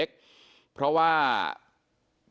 เป็นมีดปลายแหลมยาวประมาณ๑ฟุตนะฮะที่ใช้ก่อเหตุ